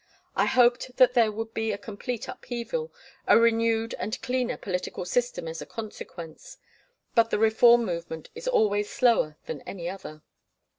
I hoped that there would be a complete upheaval, a renewed and cleaner political system as a consequence. But the reform movement is always slower than any other.